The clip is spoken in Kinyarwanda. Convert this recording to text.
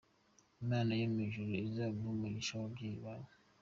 Imana yo mu ijuru izaguhe umugisha n’ababyeyi bawe.